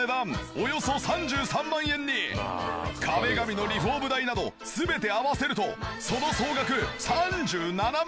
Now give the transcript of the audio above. およそ３３万円に壁紙のリフォーム代など全て合わせるとその総額３７万円！